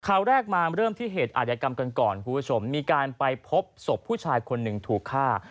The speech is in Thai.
ข่าวแรกมาเริ่มที่เหตุอาจยกรรมกันก่อนคุณผู้ชมมีการไปพบศพผู้ชายคนหนึ่งถูกฆ่า